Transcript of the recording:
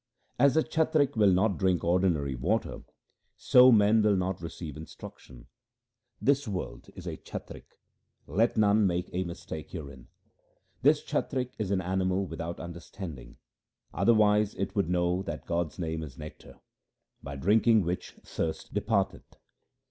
As the chatrik will not drink ordinary water, so men will not receive instruction :— This world is a chatrik ; let none make a mistake herein. This chatrik is an animal without understanding, other wise it would know That God's name is nectar, by drinking which thirst departeth.